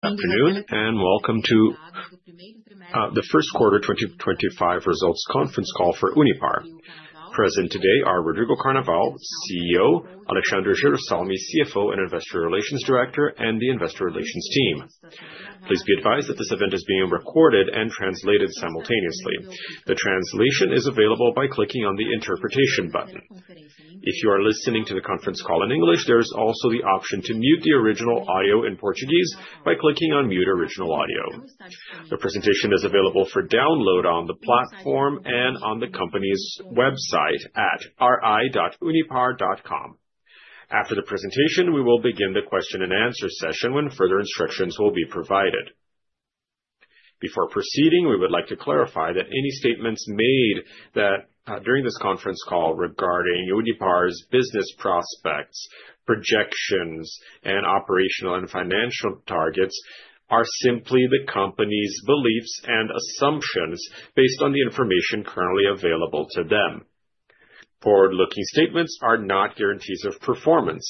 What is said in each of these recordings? Afternoon, and welcome to the first quarter 2025 results conference call for Unipar. Present today are Rodrigo Carnaval, CEO; Alexandre Jerussalmy CFO and Investor Relations Director; and the Investor Relations Team. Please be advised that this event is being recorded and translated simultaneously. The translation is available by clicking on the interpretation button. If you are listening to the conference call in English, there is also the option to mute the original audio in Portuguese by clicking on Mute Original Audio. The presentation is available for download on the platform and on the company's website at ri.unipar.com. After the presentation, we will begin the question and answer session when further instructions will be provided. Before proceeding, we would like to clarify that any statements made during this conference call regarding Unipar's business prospects, projections, and operational and financial targets are simply the company's beliefs and assumptions based on the information currently available to them. Forward-looking statements are not guarantees of performance.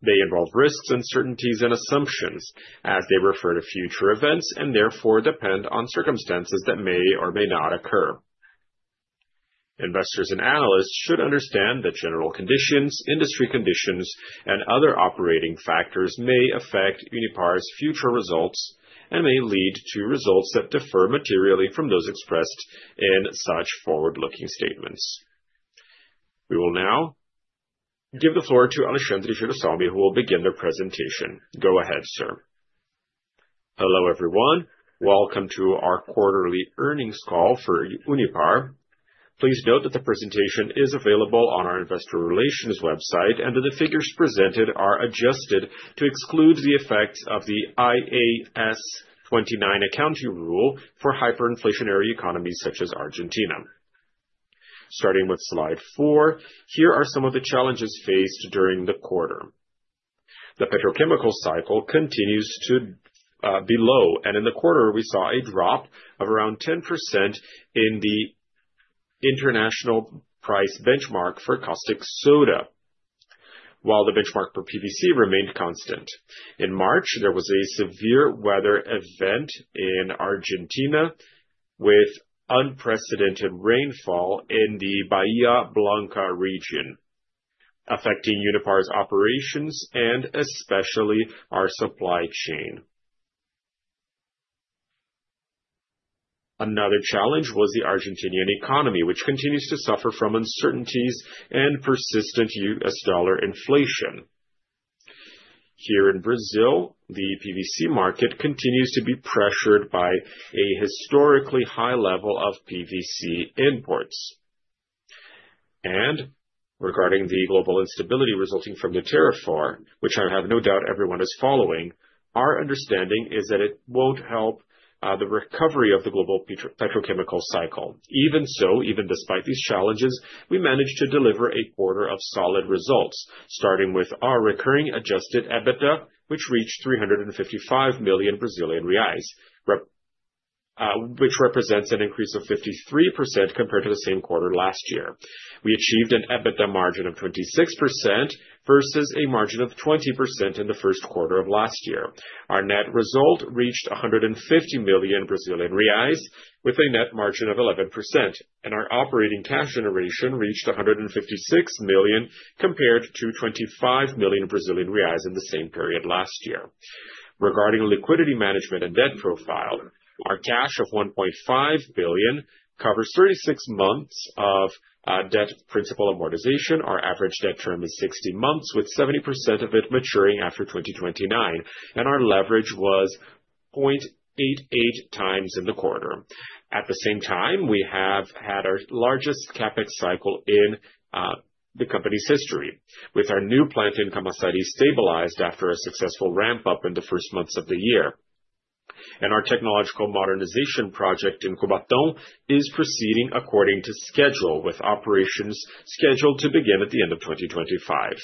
They involve risks, uncertainties, and assumptions, as they refer to future events and therefore depend on circumstances that may or may not occur. Investors and analysts should understand that general conditions, industry conditions, and other operating factors may affect Unipar's future results and may lead to results that differ materially from those expressed in such forward-looking statements. We will now give the floor to Alexandre Jerussalmy, who will begin the presentation. Go ahead, sir. Hello, everyone. Welcome to our quarterly earnings call for Unipar. Please note that the presentation is available on our Investor Relations website, and that the figures presented are adjusted to exclude the effects of the IAS 29 accounting rule for hyperinflationary economies such as Argentina. Starting with slide four, here are some of the challenges faced during the quarter. The petrochemical cycle continues to be low, and in the quarter, we saw a drop of around 10% in the international price benchmark for caustic soda, while the benchmark for PVC remained constant. In March, there was a severe weather event in Argentina with unprecedented rainfall in the Bahía Blanca region, affecting Unipar's operations and especially our supply chain. Another challenge was the Argentinian economy, which continues to suffer from uncertainties and persistent U.S. dollar inflation. Here in Brazil, the PVC market continues to be pressured by a historically high level of PVC imports. Regarding the global instability resulting from the tariff war, which I have no doubt everyone is following, our understanding is that it will not help the recovery of the global petrochemical cycle. Even so, even despite these challenges, we managed to deliver a quarter of solid results, starting with our recurring adjusted EBITDA, which reached 355 million Brazilian reais, which represents an increase of 53% compared to the same quarter last year. We achieved an EBITDA margin of 26% versus a margin of 20% in the first quarter of last year. Our net result reached 150 million Brazilian reais, with a net margin of 11%, and our operating cash generation reached 156 million compared to 25 million Brazilian reais in the same period last year. Regarding liquidity management and debt profile, our cash of 1.5 billion covers 36 months of debt principal amortization. Our average debt term is 60 months, with 70% of it maturing after 2029, and our leverage was 0.88 times in the quarter. At the same time, we have had our largest CapEx cycle in the company's history, with our new plant in Camaçari stabilized after a successful ramp-up in the first months of the year. Our technological modernization project in Cubatão is proceeding according to schedule, with operations scheduled to begin at the end of 2025.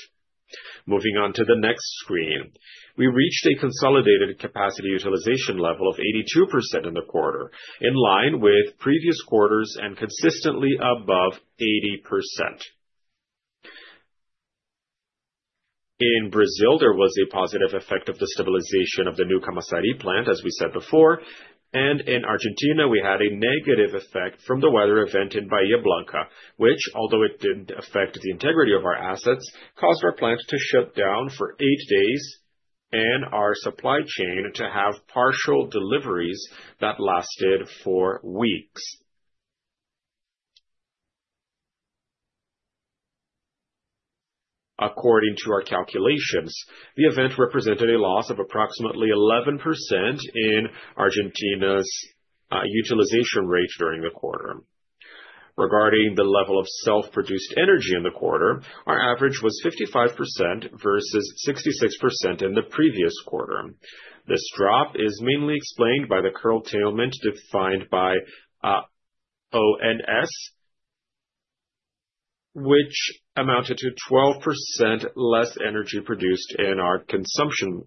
Moving on to the next screen, we reached a consolidated capacity utilization level of 82% in the quarter, in line with previous quarters and consistently above 80%. In Brazil, there was a positive effect of the stabilization of the new Camaçari plant, as we said before, and in Argentina, we had a negative effect from the weather event in Bahía Blanca, which, although it did not affect the integrity of our assets, caused our plant to shut down for eight days and our supply chain to have partial deliveries that lasted for weeks. According to our calculations, the event represented a loss of approximately 11% in Argentina's utilization rate during the quarter. Regarding the level of self-produced energy in the quarter, our average was 55% versus 66% in the previous quarter. This drop is mainly explained by the curtailment defined by ONS, which amounted to 12% less energy produced in our consumption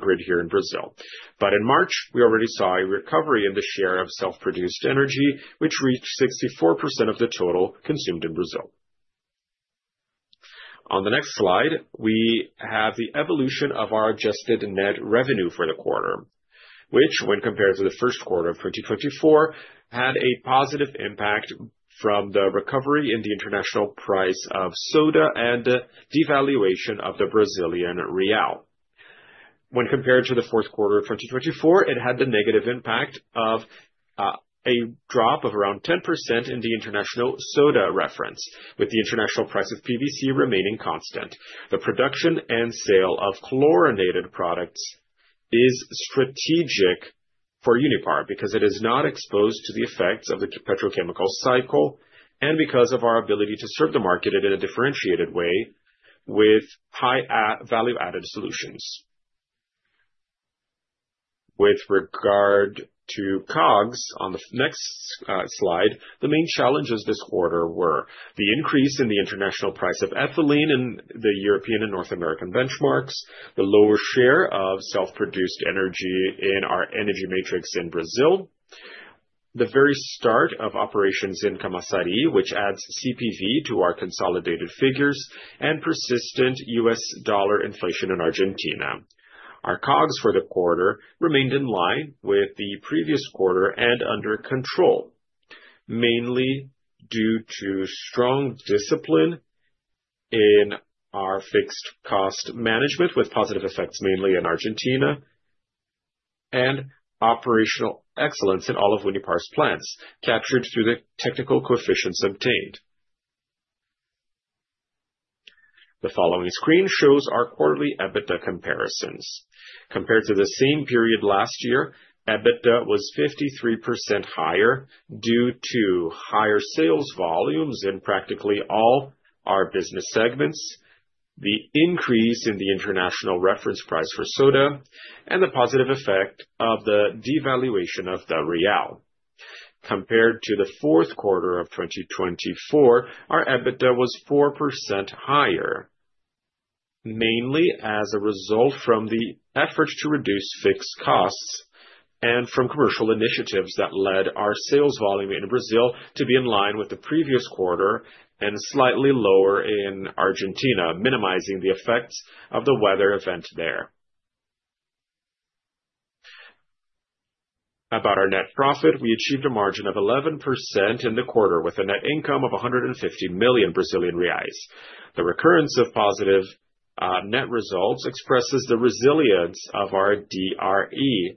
grid here in Brazil. By in March, we already saw a recovery in the share of self-produced energy, which reached 64% of the total consumed in Brazil. On the next slide, we have the evolution of our adjusted net revenue for the quarter, which, when compared to the first quarter of 2024, had a positive impact from the recovery in the international price of soda and devaluation of the Brazilian real. When compared to the fourth quarter of 2024, it had the negative impact of a drop of around 10% in the international soda reference, with the international price of PVC remaining constant. The production and sale of chlorinated products is strategic for Unipar because it is not exposed to the effects of the petrochemical cycle and because of our ability to serve the market in a differentiated way with high value-added solutions. With regard to COGS, on the next slide, the main challenges this quarter were the increase in the international price of ethylene in the European and North American benchmarks, the lower share of self-produced energy in our energy matrix in Brazil, the very start of operations in Camaçari, which adds CPV to our consolidated figures, and persistent U.S. dollar inflation in Argentina. Our COGS for the quarter remained in line with the previous quarter and under control, mainly due to strong discipline in our fixed cost management, with positive effects mainly in Argentina, and operational excellence in all of Unipar's plants captured through the technical coefficients obtained. The following screen shows our quarterly EBITDA comparisons. Compared to the same period last year, EBITDA was 53% higher due to higher sales volumes in practically all our business segments, the increase in the international reference price for soda, and the positive effect of the devaluation of the real. Compared to the fourth quarter of 2024, our EBITDA was 4% higher, mainly as a result from the efforts to reduce fixed costs and from commercial initiatives that led our sales volume in Brazil to be in line with the previous quarter and slightly lower in Argentina, minimizing the effects of the weather event there. About our net profit, we achieved a margin of 11% in the quarter, with a net income of 150 million Brazilian reais. The recurrence of positive net results expresses the resilience of our DRE,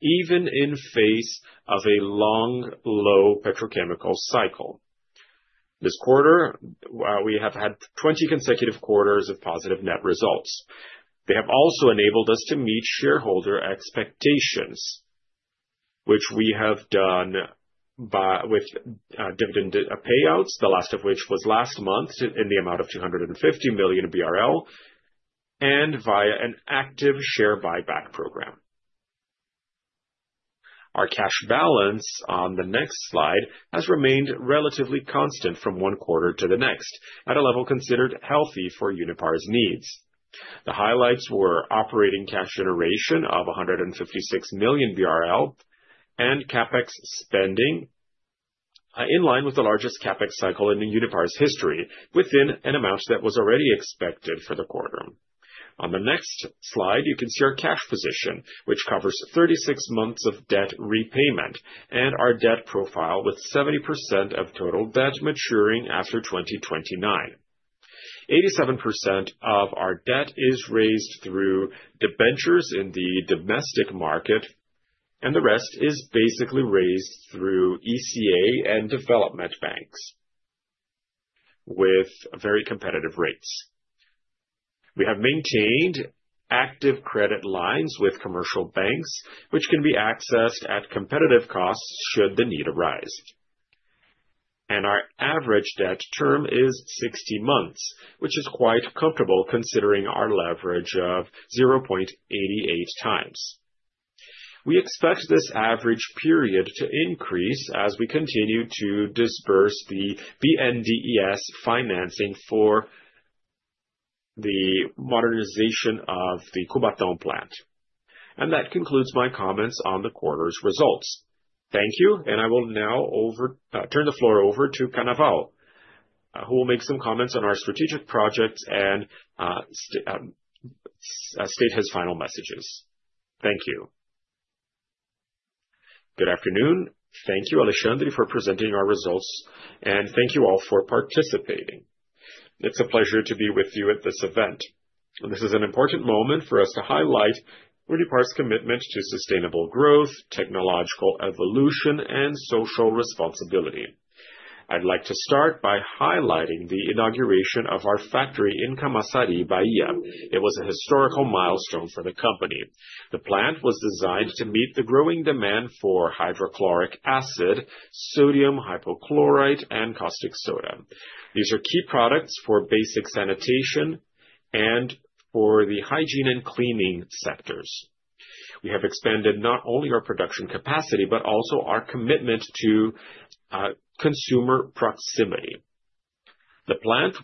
even in face of a long low petrochemical cycle. This quarter, we have had 20 consecutive quarters of positive net results. They have also enabled us to meet shareholder expectations, which we have done with dividend payouts, the last of which was last month in the amount of 250 million BRL, and via an active share buyback program. Our cash balance on the next slide has remained relatively constant from one quarter to the next, at a level considered healthy for Unipar's needs. The highlights were operating cash generation of 156 million BRL and CapEx spending, in line with the largest CapEx cycle in Unipar's history, within an amount that was already expected for the quarter. On the next slide, you can see our cash position, which covers 36 months of debt repayment and our debt profile with 70% of total debt maturing after 2029. 87% of our debt is raised through debentures in the domestic market, and the rest is basically raised through ECA and development banks, with very competitive rates. We have maintained active credit lines with commercial banks, which can be accessed at competitive costs should the need arise. Our average debt term is 60 months, which is quite comfortable considering our leverage of 0.88 times. We expect this average period to increase as we continue to disburse the BNDES financing for the modernization of the Cubatão plant. That concludes my comments on the quarter's results. Thank you, and I will now turn the floor over to Carnaval, who will make some comments on our strategic projects and state his final messages. Thank you. Good afternoon. Thank you, Alexandre, for presenting our results, and thank you all for participating. It's a pleasure to be with you at this event. This is an important moment for us to highlight Unipar's commitment to sustainable growth, technological evolution, and social responsibility. I'd like to start by highlighting the inauguration of our factory in Camaçari, Bahia. It was a historical milestone for the company. The plant was designed to meet the growing demand for hydrochloric acid, sodium hypochlorite, and caustic soda. These are key products for basic sanitation and for the hygiene and cleaning sectors. We have expanded not only our production capacity, but also our commitment to consumer proximity. The plant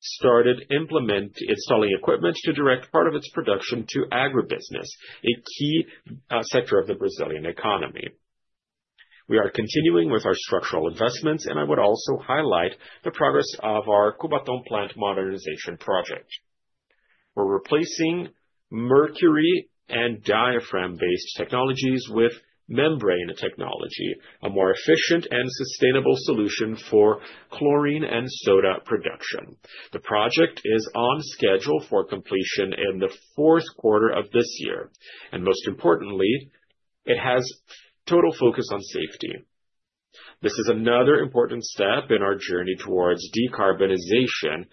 started installing equipment to direct part of its production to agribusiness, a key sector of the Brazilian economy. We are continuing with our structural investments, and I would also highlight the progress of our Cubatão plant modernization project. We're replacing mercury and diaphragm-based technologies with membrane technology, a more efficient and sustainable solution for chlorine and soda production. The project is on schedule for completion in the fourth quarter of this year, and most importantly, it has total focus on safety. This is another important step in our journey towards decarbonization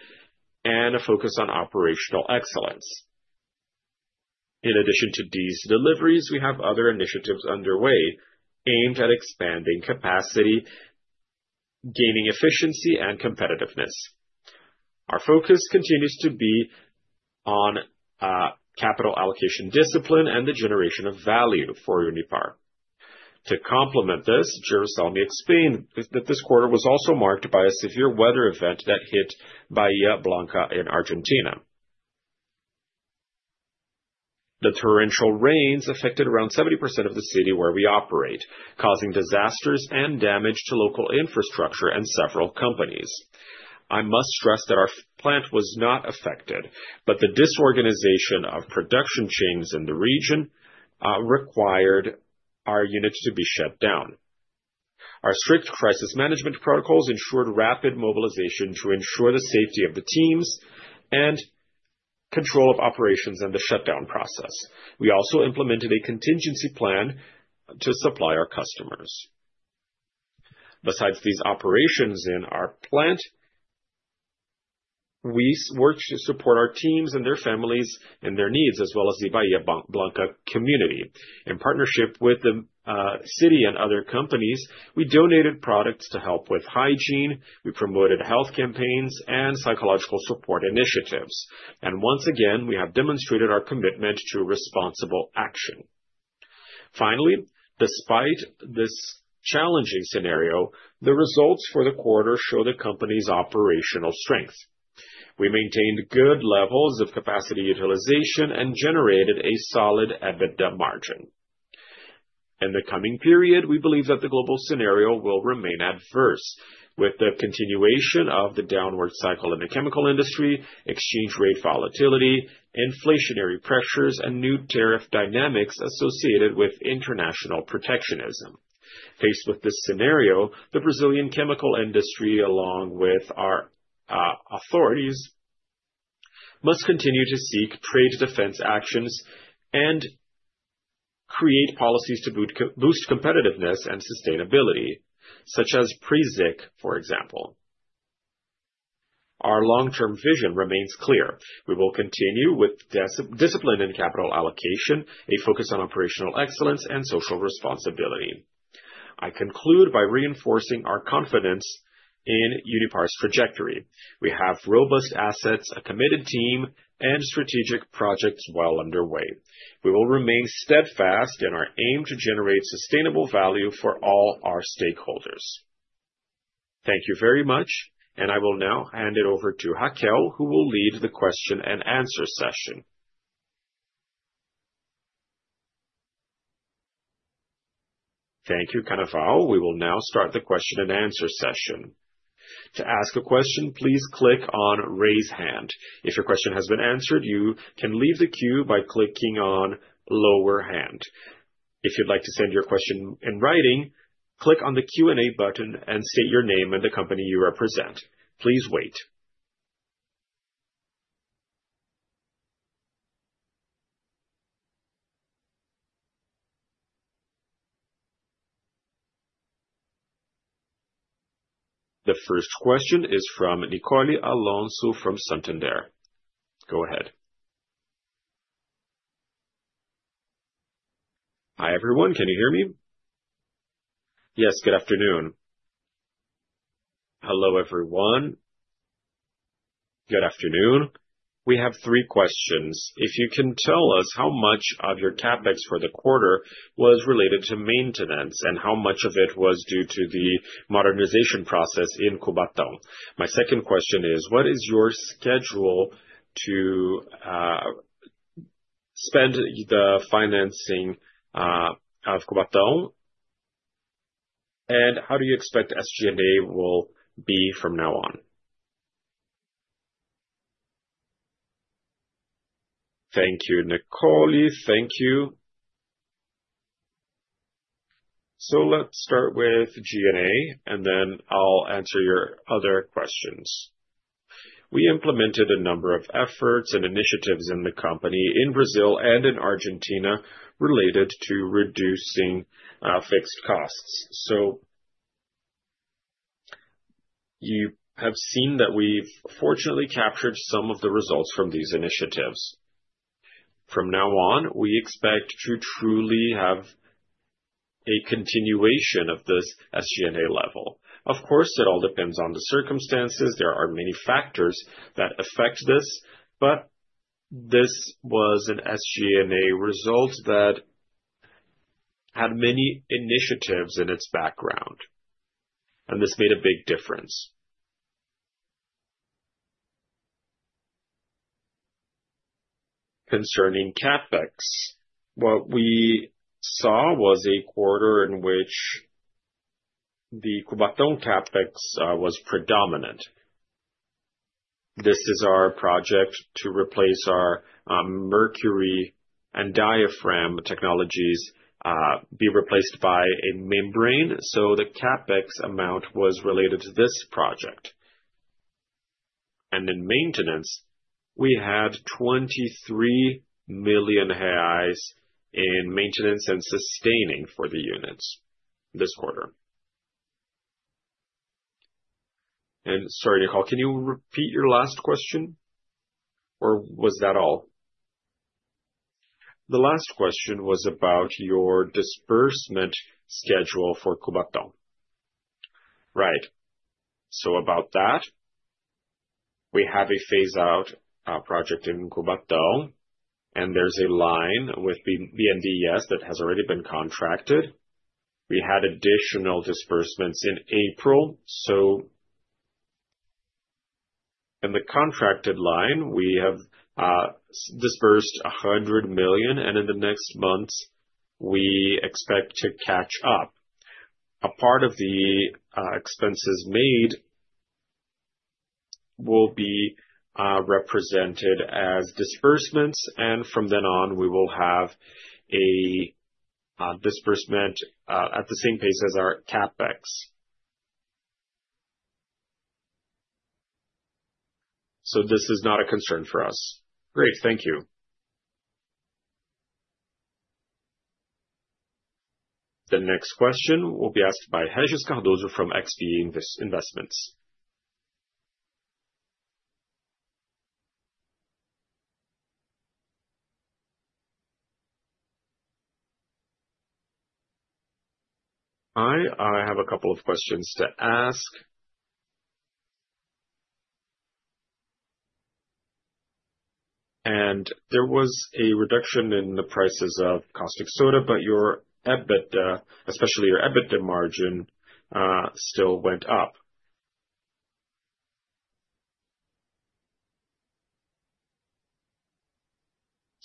and a focus on operational excellence. In addition to these deliveries, we have other initiatives underway aimed at expanding capacity, gaining efficiency, and competitiveness. Our focus continues to be on capital allocation discipline and the generation of value for Unipar. To complement this, Jerussalmy explained that this quarter was also marked by a severe weather event that hit Bahía Blanca in Argentina. The torrential rains affected around 70% of the city where we operate, causing disasters and damage to local infrastructure and several companies. I must stress that our plant was not affected, but the disorganization of production chains in the region required our units to be shut down. Our strict crisis management protocols ensured rapid mobilization to ensure the safety of the teams and control of operations and the shutdown process. We also implemented a contingency plan to supply our customers. Besides these operations in our plant, we work to support our teams and their families and their needs, as well as the Bahía Blanca community. In partnership with the city and other companies, we donated products to help with hygiene, we promoted health campaigns, and psychological support initiatives. Once again, we have demonstrated our commitment to responsible action. Finally, despite this challenging scenario, the results for the quarter show the company's operational strength. We maintained good levels of capacity utilization and generated a solid EBITDA margin. In the coming period, we believe that the global scenario will remain adverse, with the continuation of the downward cycle in the chemical industry, exchange rate volatility, inflationary pressures, and new tariff dynamics associated with international protectionism. Faced with this scenario, the Brazilian chemical industry, along with our authorities, must continue to seek trade defense actions and create policies to boost competitiveness and sustainability, such as PRESIC, for example. Our long-term vision remains clear. We will continue with discipline in capital allocation, a focus on operational excellence, and social responsibility. I conclude by reinforcing our confidence in Unipar's trajectory. We have robust assets, a committed team, and strategic projects well underway. We will remain steadfast in our aim to generate sustainable value for all our stakeholders. Thank you very much, and I will now hand it over to Raquel, who will lead the question and answer session. Thank you, Carnaval. We will now start the question and answer session. To ask a question, please click on "Raise Hand." If your question has been answered, you can leave the queue by clicking on "Lower Hand." If you'd like to send your question in writing, click on the Q&A button and state your name and the company you represent. Please wait. The first question is from Nicole Alonso from Santander. Go ahead. Hi everyone, can you hear me? Yes, good afternoon. Hello everyone. Good afternoon. We have three questions. If you can tell us how much of your CapEx for the quarter was related to maintenance and how much of it was due to the modernization process in Cubatão. My second question is, what is your schedule to spend the financing of Cubatão? And how do you expect SG&A will be from now on? Thank you, Nicole. Thank you. Let's start with G&A, and then I'll answer your other questions. We implemented a number of efforts and initiatives in the company in Brazil and in Argentina related to reducing fixed costs. You have seen that we've fortunately captured some of the results from these initiatives. From now on, we expect to truly have a continuation of this SG&A level. Of course, it all depends on the circumstances. There are many factors that affect this, but this was an SG&A result that had many initiatives in its background, and this made a big difference. Concerning CapEx, what we saw was a quarter in which the Cubatão CapEx was predominant. This is our project to replace our mercury and diaphragm technologies with a membrane. The CapEx amount was related to this project. In maintenance, we had 23 million reais in maintenance and sustaining for the units this quarter. Sorry, Nicole, can you repeat your last question? Or was that all? The last question was about your disbursement schedule for Cubatão. Right. About that, we have a phase-out project in Cubatão, and there is a line with BNDES that has already been contracted. We had additional disbursements in April. In the contracted line, we have disbursed 100 million, and in the next months, we expect to catch up. A part of the expenses made will be represented as disbursements, and from then on, we will have a disbursement at the same pace as our CapEx. This is not a concern for us. Great, thank you. The next question will be asked by Régis Cardoso from XP Investments. Hi, I have a couple of questions to ask. There was a reduction in the prices of caustic soda, but your EBITDA, especially your EBITDA margin, still went up.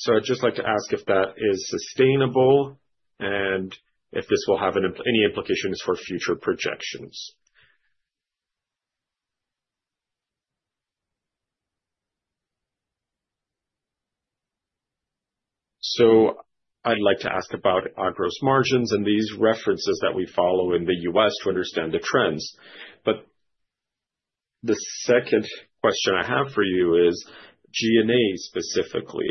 I'd just like to ask if that is sustainable and if this will have any implications for future projections. I'd like to ask about gross margins and these references that we follow in the U.S. to understand the trends. The second question I have for you is G&A specifically.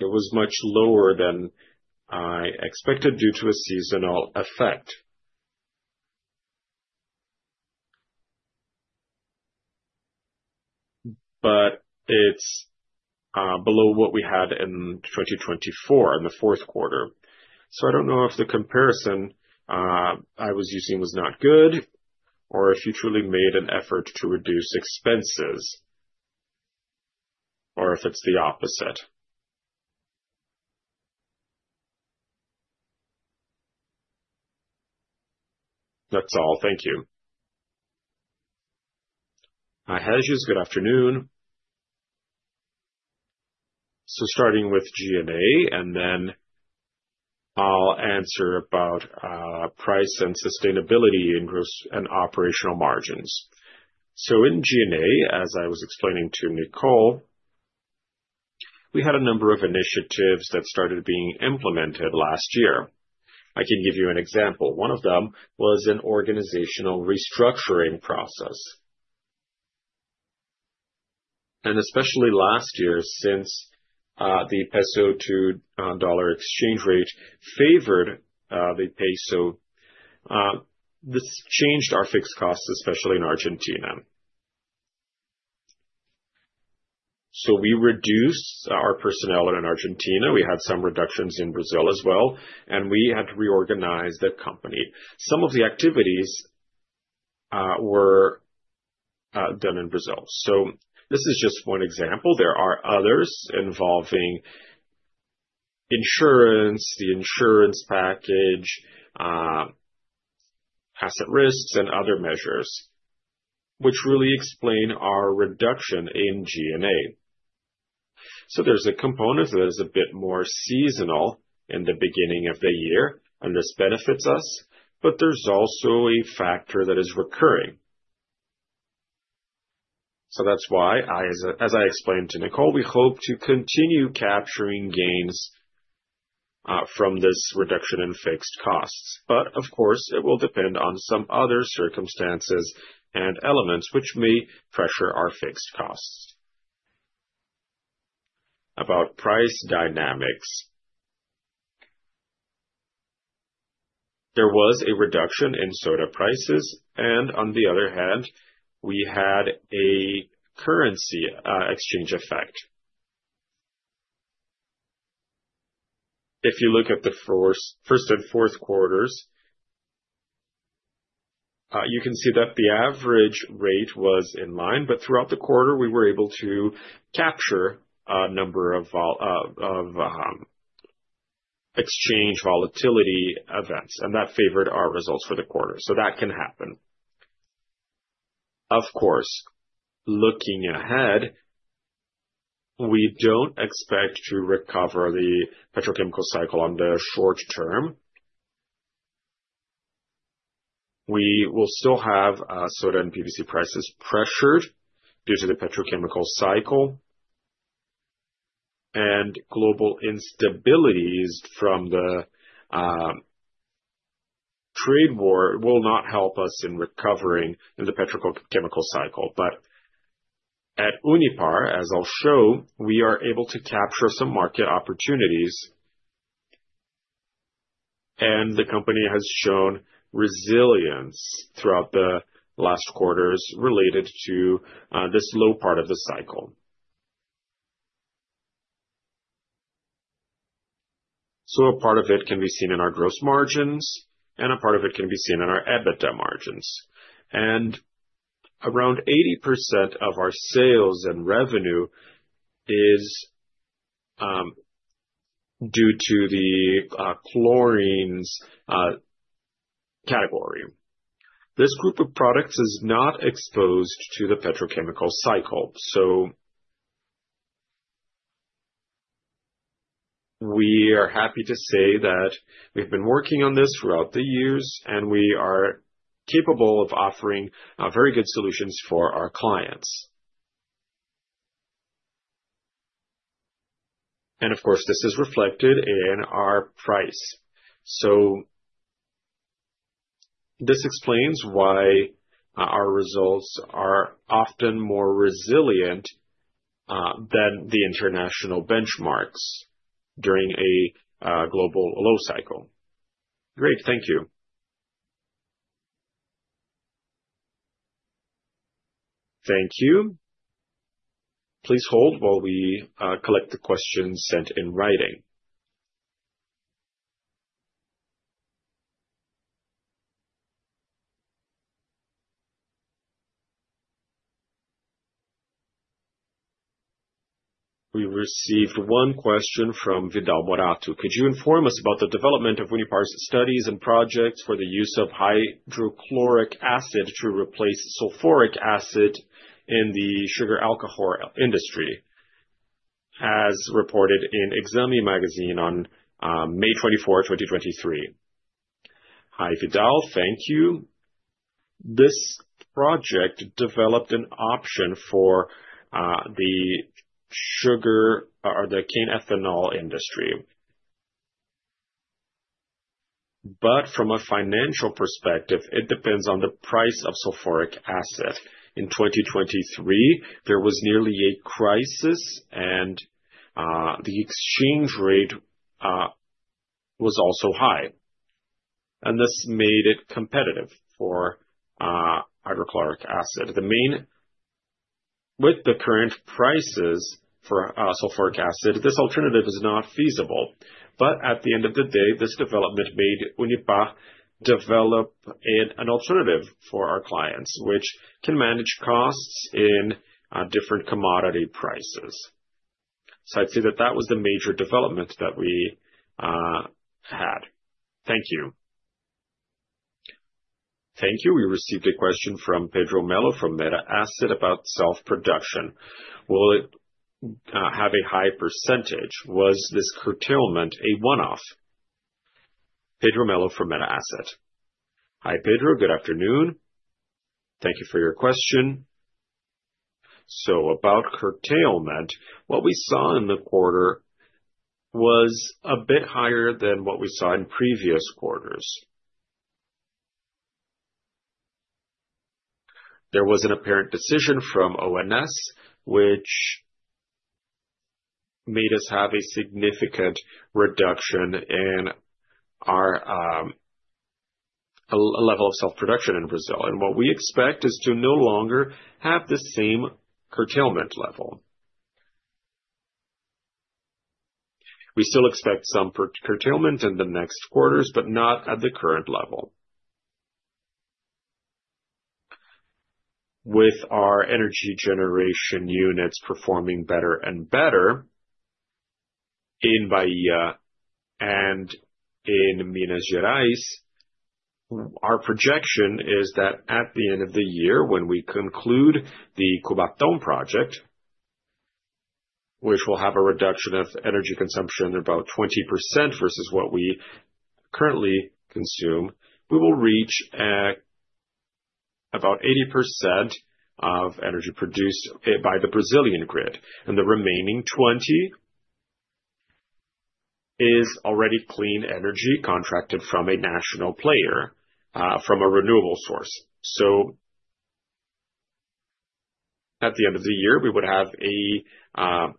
It was much lower than I expected due to a seasonal effect. It's below what we had in 2024 in the fourth quarter. I don't know if the comparison I was using was not good, or if you truly made an effort to reduce expenses, or if it's the opposite. That's all. Thank you. Régis, good afternoon. Starting with G&A, and then I'll answer about price and sustainability and operational margins. In G&A, as I was explaining to Nicole, we had a number of initiatives that started being implemented last year. I can give you an example. One of them was an organizational restructuring process. Especially last year, since the peso to dollar exchange rate favored the peso, this changed our fixed costs, especially in Argentina. We reduced our personnel in Argentina. We had some reductions in Brazil as well, and we had to reorganize the company. Some of the activities were done in Brazil. This is just one example. There are others involving insurance, the insurance package, asset risks, and other measures, which really explain our reduction in G&A. There is a component that is a bit more seasonal in the beginning of the year, and this benefits us, but there is also a factor that is recurring. That is why, as I explained to Nicole, we hope to continue capturing gains from this reduction in fixed costs. Of course, it will depend on some other circumstances and elements which may pressure our fixed costs. About price dynamics, there was a reduction in soda prices, and on the other hand, we had a currency exchange effect. If you look at the first and fourth quarters, you can see that the average rate was in line, but throughout the quarter, we were able to capture a number of exchange volatility events, and that favored our results for the quarter. That can happen. Of course, looking ahead, we do not expect to recover the petrochemical cycle in the short term. We will still have soda and PVC prices pressured due to the petrochemical cycle, and global instabilities from the trade war will not help us in recovering in the petrochemical cycle. At Unipar, as I'll show, we are able to capture some market opportunities, and the company has shown resilience throughout the last quarters related to this low part of the cycle. A part of it can be seen in our gross margins, and a part of it can be seen in our EBITDA margins. Around 80% of our sales and revenue is due to the chlorines category. This group of products is not exposed to the petrochemical cycle. We are happy to say that we've been working on this throughout the years, and we are capable of offering very good solutions for our clients. Of course, this is reflected in our price. So this explains why our results are often more resilient than the international benchmarks during a global low cycle. Great, thank you. Thank you. Please hold while we collect the questions sent in writing. We received one question from Vidal Morato. Could you inform us about the development of Unipar's studies and projects for the use of hydrochloric acid to replace sulfuric acid in the sugar alcohol industry, as reported in Examine magazine on May 24, 2023? Hi, Vidal. Thank you. This project developed an option for the sugar or the cane ethanol industry. From a financial perspective, it depends on the price of sulfuric acid. In 2023, there was nearly a crisis, and the exchange rate was also high. This made it competitive for hydrochloric acid. With the current prices for sulfuric acid, this alternative is not feasible. At the end of the day, this development made Unipar develop an alternative for our clients, which can manage costs in different commodity prices. I'd say that that was the major development that we had. Thank you. Thank you. We received a question from Pedro Melo from Meta Asset about self-production. Will it have a high percentage? Was this curtailment a one-off? Pedro Melo from Meta Asset. Hi, Pedro. Good afternoon. Thank you for your question. About curtailment, what we saw in the quarter was a bit higher than what we saw in previous quarters. There was an apparent decision from ONS, which made us have a significant reduction in our level of self-production in Brazil. What we expect is to no longer have the same curtailment level. We still expect some curtailment in the next quarters, but not at the current level. With our energy generation units performing better and better in Bahia and in Minas Gerais, our projection is that at the end of the year, when we conclude the Cubatão project, which will have a reduction of energy consumption about 20% versus what we currently consume, we will reach about 80% of energy produced by the Brazilian grid. The remaining 20% is already clean energy contracted from a national player from a renewable source. At the end of the year, we would have a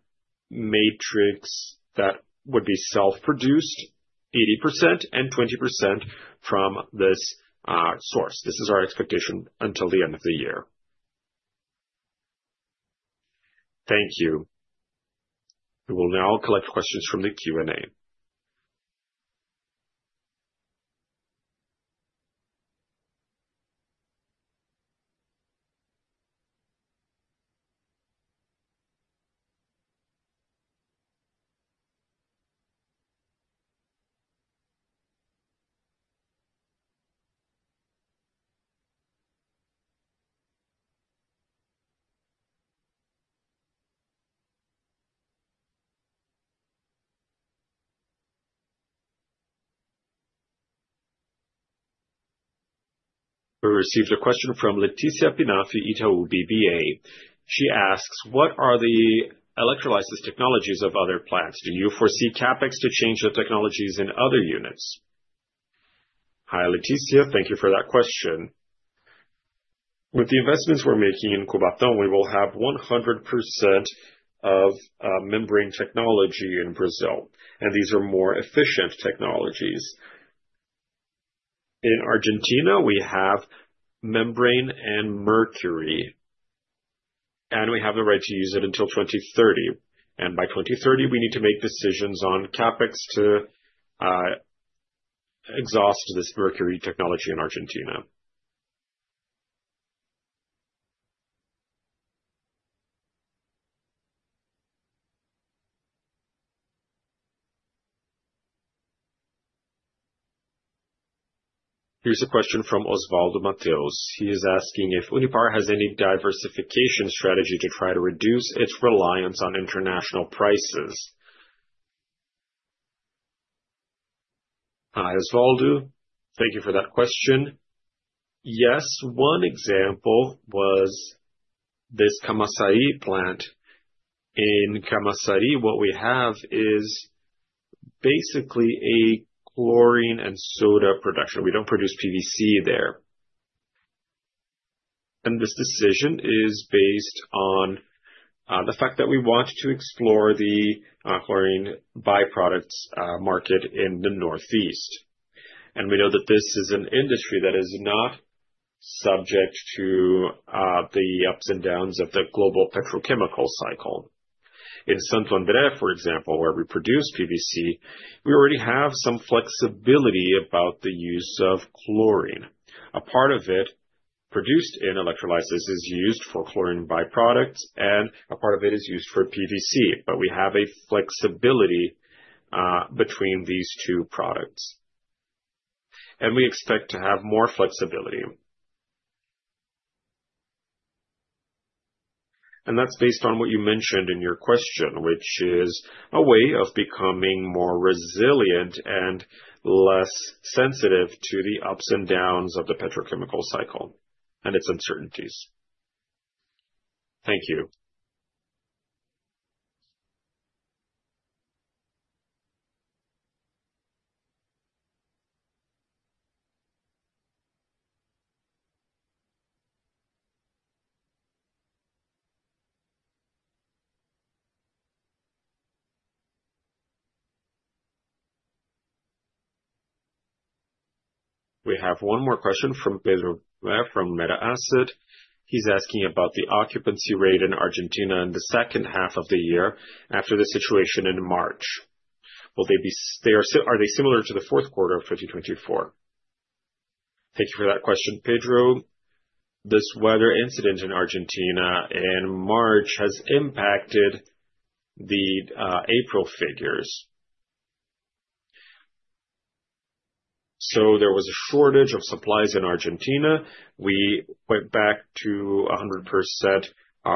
matrix that would be self-produced 80% and 20% from this source. This is our expectation until the end of the year. Thank you. We will now collect questions from the Q&A. We received a question from Leticia Penafi, Itaú BBA. She asks, "What are the electrolysis technologies of other plants? Do you foresee CapEx to change the technologies in other units?" Hi, Leticia. Thank you for that question. With the investments we're making in Cubatão, we will have 100% of membrane technology in Brazil. These are more efficient technologies. In Argentina, we have membrane and mercury, and we have the right to use it until 2030. By 2030, we need to make decisions on CapEx to exhaust this mercury technology in Argentina. Here's a question from Osvaldo Mateos. He is asking if Unipar has any diversification strategy to try to reduce its reliance on international prices. Hi, Osvaldo. Thank you for that question. Yes, one example was this Camaçari plant. In Camaçari, what we have is basically a chlorine and soda production. We don't produce PVC there. This decision is based on the fact that we want to explore the chlorine byproducts market in the Northeast. We know that this is an industry that is not subject to the ups and downs of the global petrochemical cycle. In Santo André, for example, where we produce PVC, we already have some flexibility about the use of chlorine. A part of it produced in electrolysis is used for chlorine byproducts, and a part of it is used for PVC. We have a flexibility between these two products. We expect to have more flexibility. That is based on what you mentioned in your question, which is a way of becoming more resilient and less sensitive to the ups and downs of the petrochemical cycle and its uncertainties. Thank you. We have one more question from Pedro Melo at Meta Asset. He is asking about the occupancy rate in Argentina in the second half of the year after the situation in March.Will they be—are they similar to the fourth quarter of 2024? Thank you for that question, Pedro. This weather incident in Argentina in March has impacted the April figures. There was a shortage of supplies in Argentina. We went back to 100%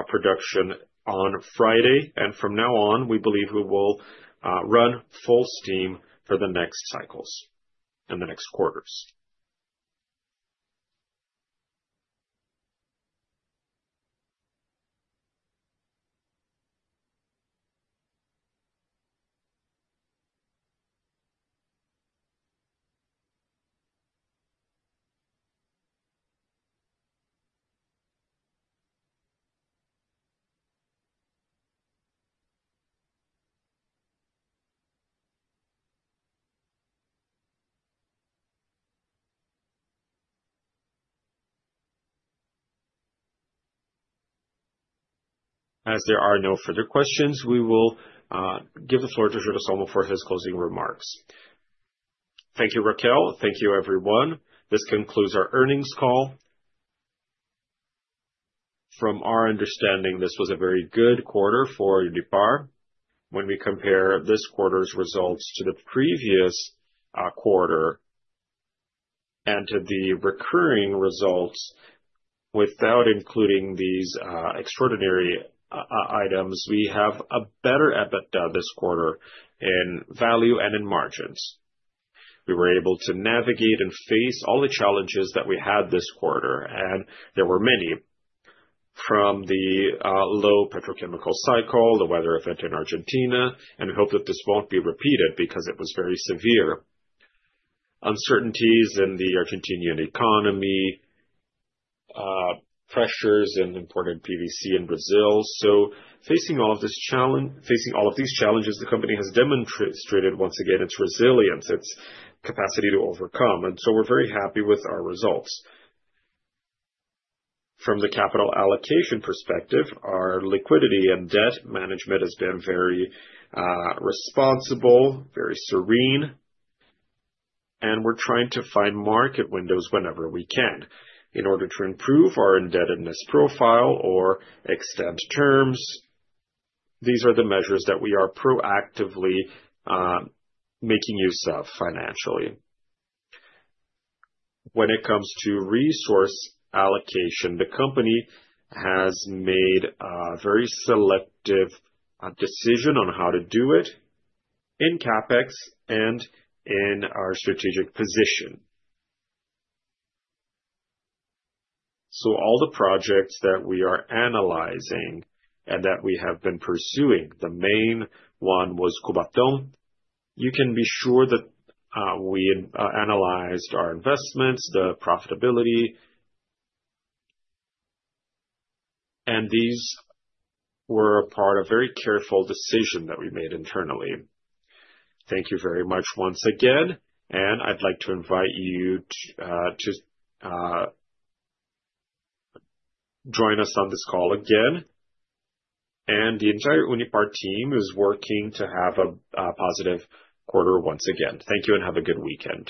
production on Friday. From now on, we believe we will run full steam for the next cycles and the next quarters. As there are no further questions, we will give the floor to Alexandre Jerussalmy for his closing remarks. Thank you, Raquel. Thank you, everyone. This concludes our earnings call. From our understanding, this was a very good quarter for Unipar. When we compare this quarter's results to the previous quarter and to the recurring results, without including these extraordinary items, we have a better EBITDA this quarter in value and in margins. We were able to navigate and face all the challenges that we had this quarter. There were many from the low petrochemical cycle, the weather event in Argentina, and we hope that this will not be repeated because it was very severe. Uncertainties in the Argentinian economy, pressures in importing PVC in Brazil. Facing all of these challenges, the company has demonstrated once again its resilience, its capacity to overcome. We are very happy with our results. From the capital allocation perspective, our liquidity and debt management has been very responsible, very serene. We are trying to find market windows whenever we can in order to improve our indebtedness profile or extend terms. These are the measures that we are proactively making use of financially. When it comes to resource allocation, the company has made a very selective decision on how to do it in CapEx and in our strategic position. All the projects that we are analyzing and that we have been pursuing, the main one was Cubatão. You can be sure that we analyzed our investments, the profitability. These were a part of a very careful decision that we made internally. Thank you very much once again. I would like to invite you to join us on this call again. The entire Unipar team is working to have a positive quarter once again. Thank you and have a good weekend.